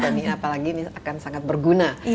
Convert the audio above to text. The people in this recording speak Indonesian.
dan ini apalagi ini akan sangat berguna